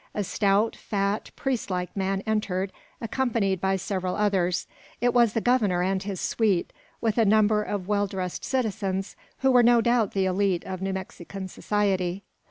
A stout, fat, priest like man entered, accompanied by several others, it was the Governor and his suite, with a number of well dressed citizens, who were no doubt the elite of New Mexican society.